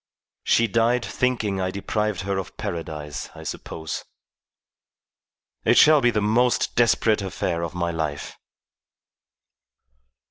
She died thinking I deprived her of Paradise, I suppose. It shall be the most desperate affair of my life."